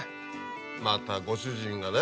またご主人がね